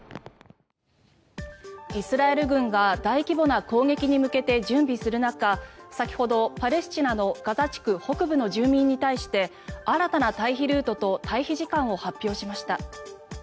イスラエル軍が大規模な攻撃に向けて準備する中先ほど、パレスチナのガザ地区北部の住民に対して新たな退避ルートと退避時間を発表しました。